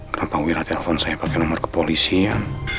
kenapa wira telfon saya pakai nomor ke polisi ya